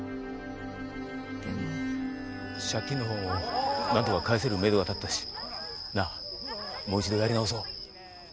借金のほうもなんとか返せるメドが立ったしなあもう一度やり直そう。